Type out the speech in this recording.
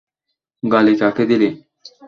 গালি কাকে দিলি?